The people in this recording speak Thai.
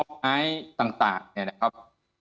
เกาะไม้ต่างเนี่ยนะครับ